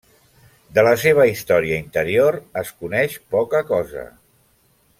De la seva història interior es coneix poca cosa.